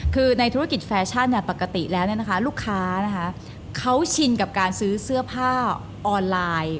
คือในธุรกิจแฟชั่นปกติแล้วลูกค้านะคะเขาชินกับการซื้อเสื้อผ้าออนไลน์